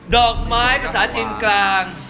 ดอกไม้ภาษาจีนกลาง